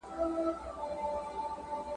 لا تر څو به دي قسمت په غشیو ولي